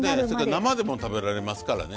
生でも食べられますからね